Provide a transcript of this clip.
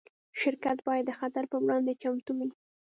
شرکت باید د خطر پر وړاندې چمتو وي.